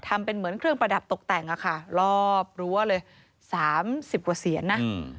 ทำเป็นเหมือนเครื่องประดับตกแต่งอะค่ะรอบรั้วเลย๓๐กว่าเสียนนะ